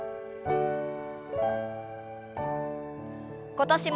今年も。